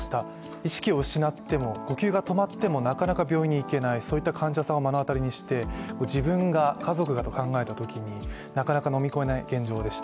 意識を失っても、呼吸が止まってもなかなか病院に行けない、そういった患者さんを目の当たりにして自分が、家族がと考えたときになかなか飲み込めない現状でした。